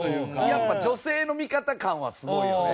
やっぱ女性の味方感はすごいよね。